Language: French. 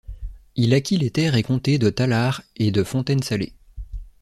Il acquit les terre et comté de Tallard et de Fontaine-Sallée.